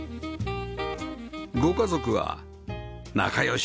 ご家族は仲良し！